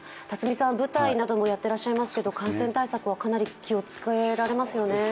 辰巳さん、舞台などもやってらっしゃいますけど感染対策はかなり気を遣われますよね。